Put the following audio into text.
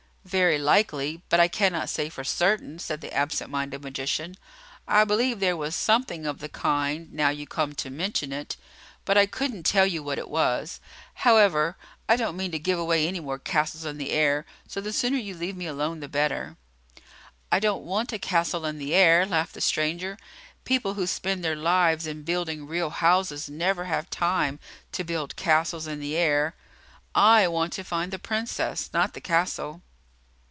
"Very likely; but I cannot say for certain," said the absent minded magician. "I believe there was something of the kind, now you come to mention it; but I could n't tell you what it was. However, I don't mean to give away any more castles in the air, so the sooner you leave me alone, the better." "I don't want a castle in the air," laughed the stranger. "People who spend their lives in building real houses never have time to build castles in the air! I want to find the Princess, not the castle."